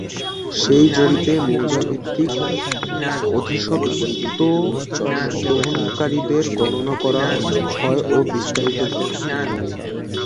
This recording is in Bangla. সেই জরিপে মৌজাভিত্তিক অধিসত্ত্ব গ্রহণকারীদের গণনা করা হয় বিস্তারিতভাবে।